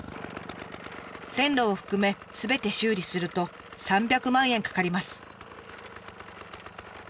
線路を含めすべて修理すると３００万円かかります。